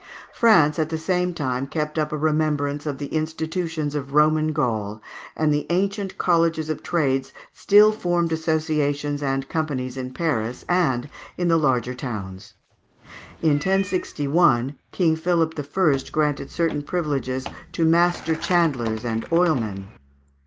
France at the same time kept up a remembrance of the institutions of Roman Gaul, and the ancient colleges of trades still formed associations and companies in Paris and in the larger towns. In 1061 King Philip I. granted certain privileges to Master Chandlers and Oilmen.